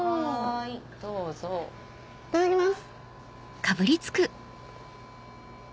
いただきます。